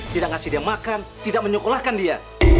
tidak ngasih dia makan tidak menyekolahkan dia